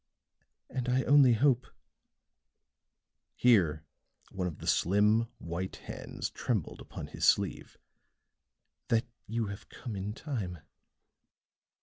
And I only hope," here one of the slim, white hands trembled upon his sleeve, "that you have come in time."